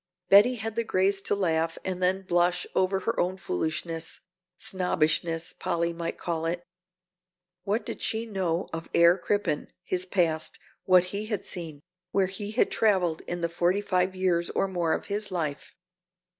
Betty had the grace to laugh and then blush over her own foolishness, snobbishness Polly might call it. What did she know of Herr Crippen, his past, what he had seen, where he had traveled in the forty five years or more of his life?